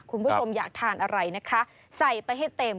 คุณผู้ชมอยากทานอะไรนะคะใส่ไปให้เต็ม